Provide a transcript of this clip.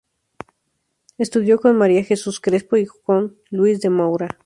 Estudió con María Jesús Crespo y con Luiz de Moura.